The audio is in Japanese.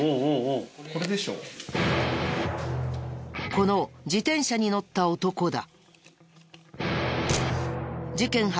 この自転車に乗った男だ。